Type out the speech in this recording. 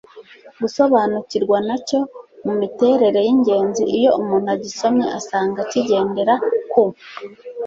gusobanukirwa na cyo mu miterere y'ingenzi. iyo umuntu agisomye asanga kigendera ku